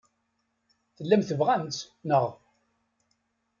Tellam tebɣam-tt, naɣ?